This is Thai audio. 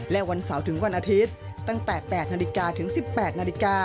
และวันเสาร์ถึงวันอาทิตย์ตั้งแต่๘นถึง๑๘น